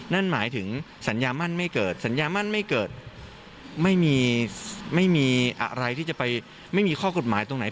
นั่นหมายถึงสัญญามั่นไม่เกิดสัญญามั่นไม่เกิดไม่มีไม่มีอะไรที่จะไปไม่มีข้อกฎหมายตรงไหน